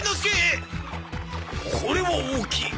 これは大きい！